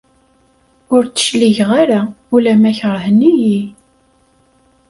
Ur d-cligeɣ ara ula ma keṛhen-iyi.